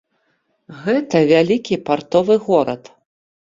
Гэта вялікі партовы горад.